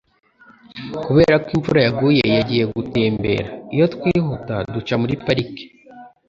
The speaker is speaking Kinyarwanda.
Kubera ko imvura yaguye, yagiye gutembera. Iyo twihuta, duca muri parike.